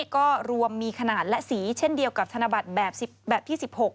ก็รวมมีขนาดและสีเช่นเดียวกับธนบัตรแบบที่๑๖